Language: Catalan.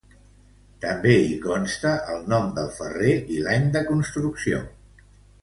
També hi consta el nom del ferrer i l'any de construcció.